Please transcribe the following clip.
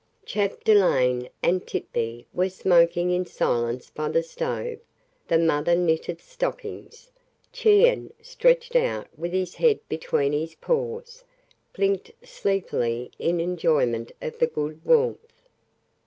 Chapdelaine and Tit'Bé were smoking in silence by the stove; the mother knitted stockings; Chien, stretched out with his head between his paws, blinked sleepily in enjoyment of the good warmth.